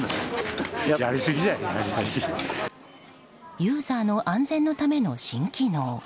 ユーザーの安全のための新機能。